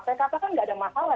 saya katakan nggak ada masalah